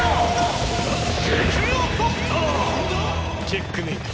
チェックメイト。